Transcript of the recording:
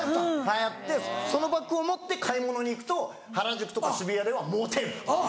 流行ってそのバッグを持って買い物に行くと原宿とか渋谷ではモテる！